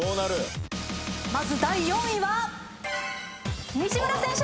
まず第４位は。